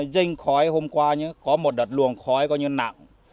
rinh khói hôm qua nhé có một đợt luồng khói coi như nặng